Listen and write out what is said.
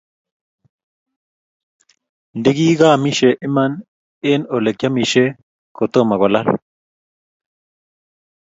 ndikikaamishe Iman eng ole kiamishe kotomo kolal